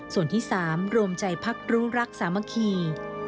ส่วนที่สามรวมใจพรรครุรักษ์สามัคคี